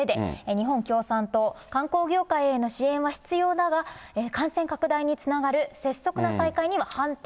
日本共産党、観光業界への支援は必要だが、感染拡大につながる拙速な再開には反対。